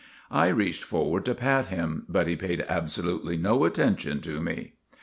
I reached forward to pat him, but he paid abso lutely no attention to me.